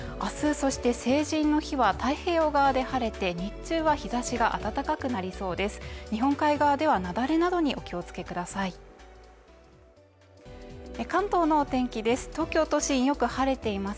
そして成人の日は太平洋側で晴れて日中は日ざしが暖かくなりそうです